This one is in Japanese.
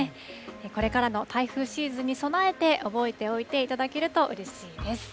これからの台風シーズンに備えて、覚えておいていただけるとうれしいです。